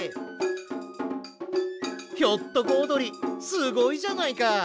ひょっとこおどりすごいじゃないか！